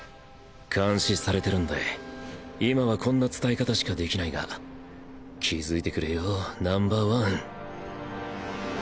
監視されてるんで今はこんな伝え方しかできないが気付いてくれよ ＮＯ．１！